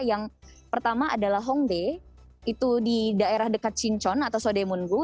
yang pertama adalah hongdae itu di daerah dekat sincheon atau soedemun gu